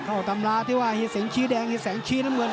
ตำราที่ว่าเฮีแสงชี้แดงเฮีแสงชี้น้ำเงิน